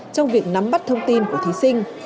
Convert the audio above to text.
trong việc nắm bắt thông tin của thí sinh